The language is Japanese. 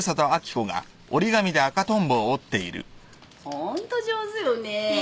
ホント上手よね。